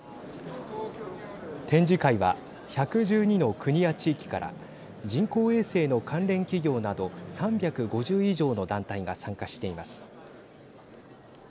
展示会は１１２の国や地域から人工衛星の関連企業など３５０以上の団体が参加しています。